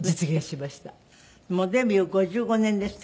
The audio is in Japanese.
もうデビュー５５年ですって？